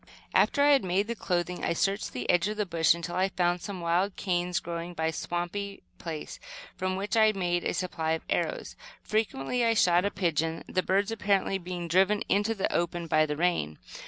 After I had made the clothing, I searched the edge of the bush until I found some wild canes, growing by a swampy place, from which I made a supply of arrows. Frequently I shot a pigeon, the birds apparently being driven into the open by the rain.